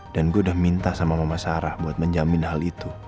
dan gue udah minta sama mama sarah buat menjamin hal itu